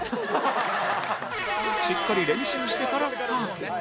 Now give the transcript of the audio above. しっかり練習してからスタート